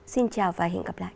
xin chào và hẹn gặp lại